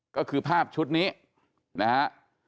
ก็คือภาพชุดนี้นะฮะ